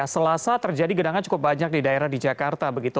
selasa terjadi genangan cukup banyak di daerah di jakarta begitu